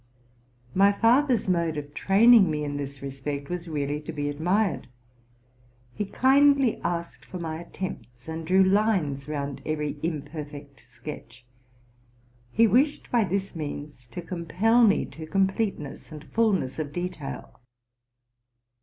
My father's mode of training me in this respect was really to be admired. He kindly asked for my attempts, and drew lines round every imperfect sketch. He wished, by this means, to compel me to completeness and fulness of detail.